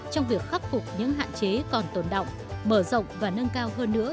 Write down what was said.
trong việc khắc phục những hạn chế còn tồn động mở rộng và nâng cao hơn nữa